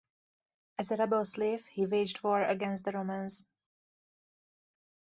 As a rebel slave he waged war against the Romans.